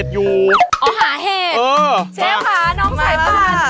อยู่ใก่ธ่อมไหนคะ